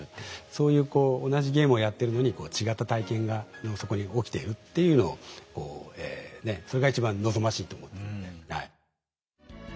そういうこう同じゲームをやってるのに違った体験がそこに起きているっていうのをこうねっそれが一番望ましいと思ってるんではい。